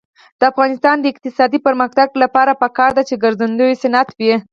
د افغانستان د اقتصادي پرمختګ لپاره پکار ده چې ګرځندوی صنعت وي.